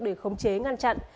để khống chế ngăn chặn